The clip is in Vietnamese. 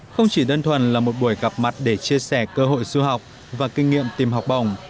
không chỉ đơn thuần là một buổi gặp mặt để chia sẻ cơ hội du học và kinh nghiệm tìm học bổng